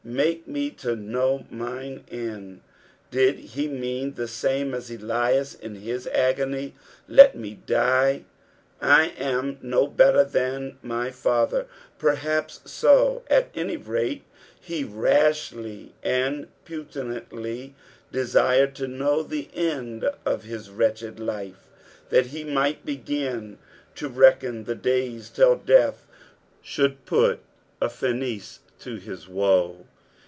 "Make me to hum mine end." Did ho mean the same asElias in his agony, " Let me die, I am no better than my father") Perhaps bo. At any rate, be rashly aud petulantly desired to know the end of his wretched life, that he might begin to reckon the days till death should put a finis to his woe.